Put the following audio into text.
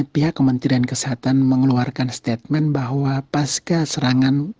pihak kementerian kesehatan mengeluarkan statement bahwa pasca serangan